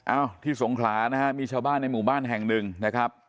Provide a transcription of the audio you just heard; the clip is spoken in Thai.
ที่สงขลานะฮะมีชาวบ้านในหมู่บ้านแห่งหนึ่งนะครับ